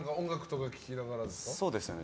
そうですね。